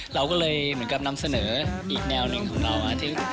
เราก็เลยเหมือนกับนำเสนออีกแนวหนึ่งของเรา